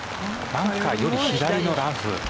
バンカーより左のラフ。